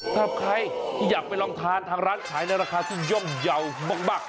กับใครที่อยากไปลองทานทางร้านสายในราคาสุดยอมเยาว์บังบัง